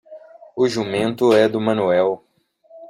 O jumento é do Manuel.